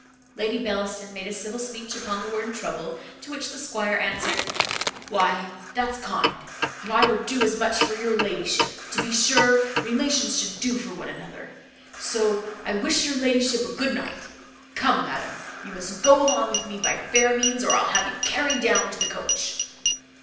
Lady Bellaston made a civil speech upon the word trouble; to which the squire answered "Why, that's kind and I would do as much for your ladyship. To be sure relations should do for one another. So I wish your ladyship a good night. Come, madam, you must go along with me by fair means, or I'll have you carried down to the coach."